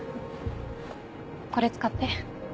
これ使って。